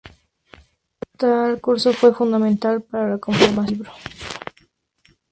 Tal curso fue fundamental para la conformación del libro.